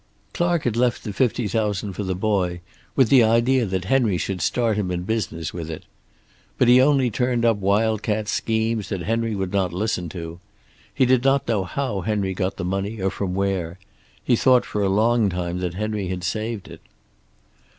Clark had left the fifty thousand for the boy with the idea that Henry should start him in business with it. But he only turned up wild cat schemes that Henry would not listen to. He did not know how Henry got the money, or from where. He thought for a long time that Henry had saved it.